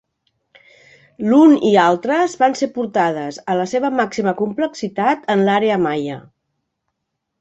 L'un i altres van ser portades a la seva màxima complexitat en l'Àrea Maia.